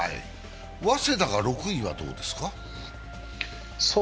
早稲田が６位はどうですか？